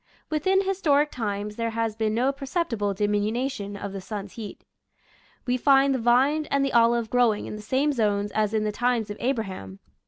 Within historic times there has been no perceptible diminu tion of the sun's heat. We find the vine and the olive growing in the same zones as in the times of Abraham.